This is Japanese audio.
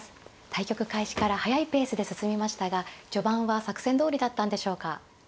対局開始から速いペースで進みましたが序盤は作戦どおりだったんでしょうか。